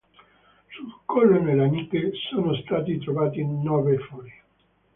Sul collo della Nike sono stati trovati nove fori.